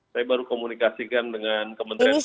saya baru komunikasikan dengan kementerian kesehatan